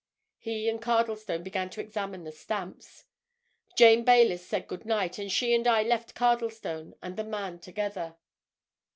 He and Cardlestone began to examine the stamps. Jane Baylis said good night, and she and I left Cardlestone and the man together."